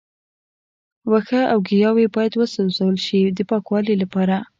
وښه او ګیاوې باید وسوځول شي د پاکوالي لپاره.